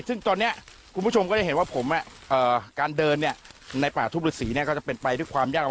ซึ่งตอนนี้คุณผู้ชมก็จะเห็นว่าผมการเดินในป่าทุบฤษีก็จะเป็นไปด้วยความยากร